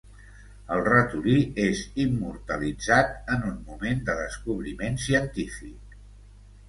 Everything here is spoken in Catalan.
El ratolí és immortalitzat en un moment de descobriment científic.